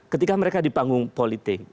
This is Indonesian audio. ketika mereka di panggung politik